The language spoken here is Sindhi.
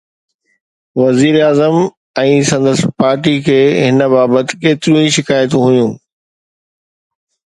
وزيراعظم ۽ سندس پارٽيءَ کي هن بابت ڪيتريون ئي شڪايتون هيون.